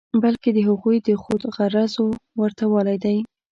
بلکې د هغوی د خود غرضیو ورته والی دی.